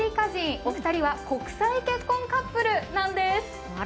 お二人は国際結婚カップルなんです。